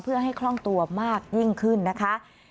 เพื่อให้คล่องตัวมากยิ่งขึ้นนะคะ